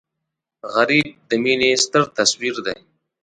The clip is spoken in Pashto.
غریب د مینې ستر تصویر دی